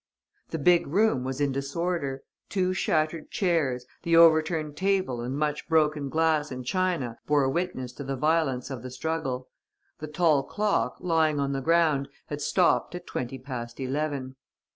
The big room was in disorder. Two shattered chairs, the overturned table and much broken glass and china bore witness to the violence of the struggle. The tall clock, lying on the ground, had stopped at twenty past eleven.